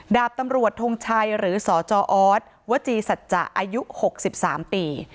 ดาบตำรวจทงชัยหรือสจออสวจีสัจจะอายุ๖๓ปี